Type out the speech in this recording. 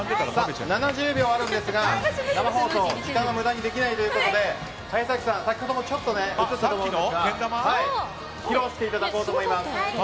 ７０秒あるんですが生放送、時間は無駄にできないということで、早崎さんけん玉を披露していただこうと思います。